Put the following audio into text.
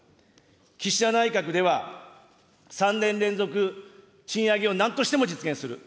岸田内閣では、３年連続賃上げをなんとしても実現する。